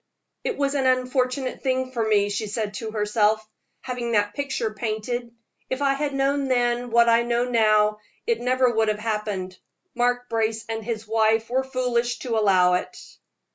"It was an unfortunate thing for me," she said to herself, "having that picture painted. If I had known then what I know now, it never would have happened. Mark Brace and his wife were foolish to allow it."